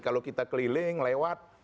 kalau kita keliling lewat